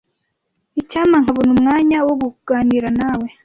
Icyampa nkabona umwanya wo kuganira nawe.